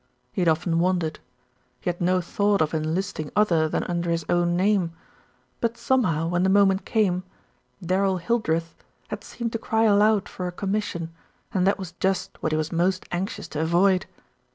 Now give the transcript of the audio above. He had often wondered. He had no thought of enlisting other than under his own name; but some how when the moment came, "Darrell Hildreth" had seemed to cry aloud for a commission, and that was just what he was most anxious to avoid.